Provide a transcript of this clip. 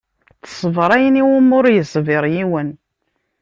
Teṣber ayen i wumi ur yeṣbir yiwen.